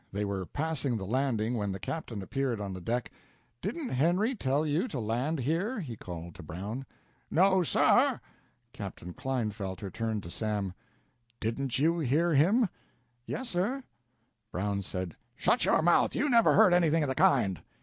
They were passing the landing when the captain appeared on the deck. "Didn't Henry tell you to land here?" he called to Brown. "No, sir." Captain Klinefelter turned to Sam. "Didn't you hear him?" "Yes, sir!" Brown said: "Shut your mouth! You never heard anything of the kind!"